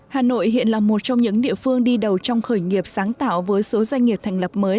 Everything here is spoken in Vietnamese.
hà nội hiện là một trong những địa phương đi đầu trong khởi nghiệp sáng tạo với số doanh nghiệp thành lập mới